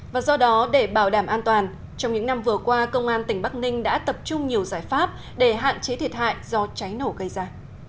và do đó để bảo đảm an toàn trong những năm vừa qua công an tỉnh bắc ninh đã tập trung nhiều giải pháp để hạn chế thiệt hại do cháy nổ gây ra